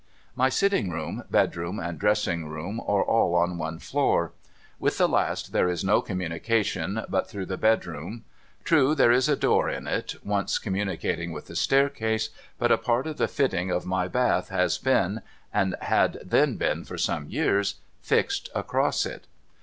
My sitting room, bedroom, and dressing room, are all on one floor. With the last there is no communication but through the bedroom. True, there is a door in it, once communicating with the staircase ; but a part of the fitting of my bath has been — and had then been for some years — fixed across it.